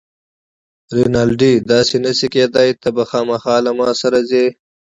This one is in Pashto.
رینالډي: داسې نه شي کیدای، ته به له ما سره خامخا ځې.